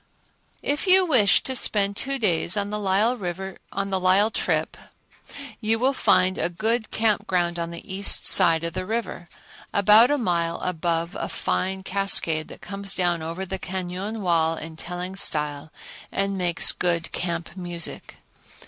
If you wish to spend two days on the Lyell trip you will find a good camp ground on the east side of the river, about a mile above a fine cascade that comes down over the cañon wall in telling style and makes good camp music.